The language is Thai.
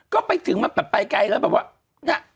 ก็ไปถึงมาไปไกลแล้วแบบว่า